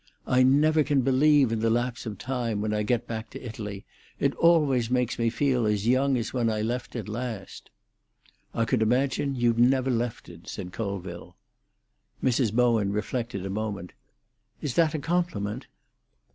"I never can believe in the lapse of time when I get back to Italy; it always makes me feel as young as when I left it last." "I could imagine you'd never left it," said Colville. Mrs. Bowen reflected a moment. "Is that a compliment?"